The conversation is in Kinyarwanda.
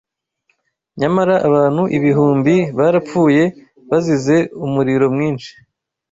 Nyamara abantu ibihumbi barapfuye bazize umuriro mwinshi